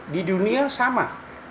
di dunia sama